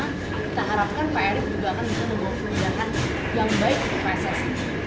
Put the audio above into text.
kita harapkan pak erik juga akan bisa membawa perlindahan yang baik ke pssi